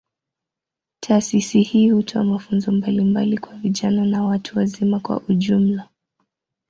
Taasisi hii hutoa mafunzo mbalimbali kwa vijana na watu wazima kwa ujumla.